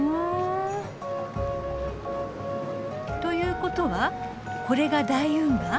ということはこれが大運河。